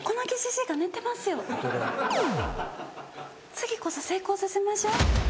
次こそ成功させましょう。